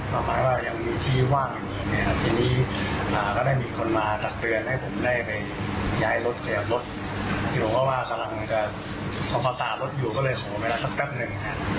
แล้วก็ไม่ต้องการได้แปบนึง